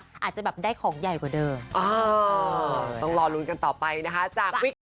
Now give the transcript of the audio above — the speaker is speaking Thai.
เพราะเรารักกันแล้วเราก็พอดกันในทุกปีเจอกันทุกปี